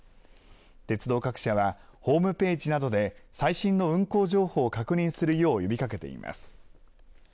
鉄道各社はホームページなどで最新の運行情報を確認するよう呼びかけています。